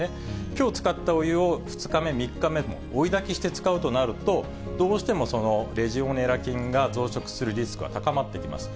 きょう使ったお湯を２日目、３日目も追い炊きして使うとなると、どうしてもそのレジオネラ菌が増殖するリスクは高まってきます。